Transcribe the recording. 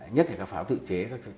nhất là các pháo tự chế